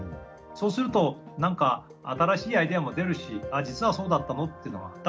そうすると何か新しいアイデアも出るし実はそうだったのっていうのは。